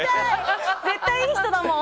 絶対いい人だもん。